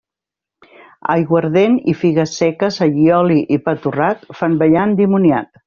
Aiguardent i figues seques, allioli i pa torrat, fan ballar endimoniat.